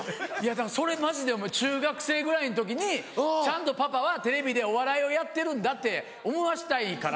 だからそれマジで思う中学生ぐらいの時にちゃんとパパはテレビでお笑いをやってるんだって思わしたいから。